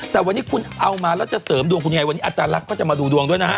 แต่วันนี้คุณเอามาแล้วจะเสริมดวงคุณยายวันนี้อาจารย์ลักษ์ก็จะมาดูดวงด้วยนะฮะ